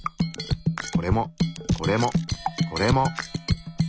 これもこれもこれも！